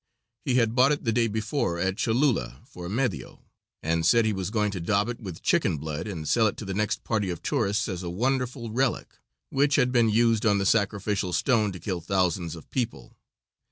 He had bought it the day before at Cholula for a medio, and said he was going to daub it with chicken blood and sell it to the next party of tourists as a wonderful relic, which had been used on the sacrificial stone to kill thousands of people.